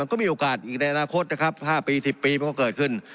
ก็มีโอกาสอีกในอนาคตนะครับ๕ปี๑๐ปีมันก็เกิดขึ้น